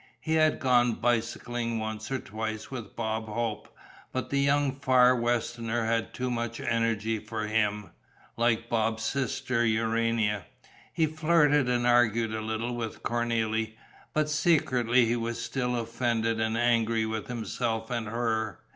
He had gone bicycling once or twice with Bob Hope, but the young Far Westerner had too much energy for him, like Bob's sister, Urania. He flirted and argued a little with Cornélie, but secretly he was still offended and angry with himself and her.